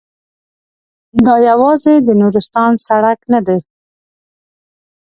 دا یوازې د نورستان سړک نه دی.